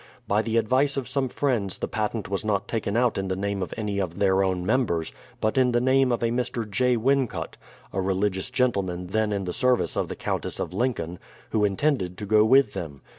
By the advice of some friends the patent was not taken out in the name of any of their own members, but in the name of Mr. J. Wincot (a religious gentleman then in the service of the Countess of Lincoln), who in tended to go with them.